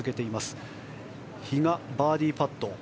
そして比嘉、バーディーパット。